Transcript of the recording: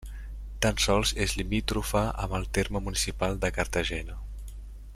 Tan sols és limítrofa amb el terme municipal de Cartagena.